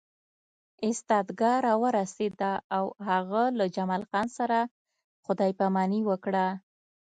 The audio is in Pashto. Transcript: ایستګاه راورسېده او هغه له جمال خان سره خدای پاماني وکړه